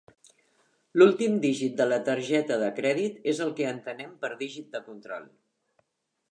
L'últim dígit de la targeta de crèdit és el que entenem per dígit de control.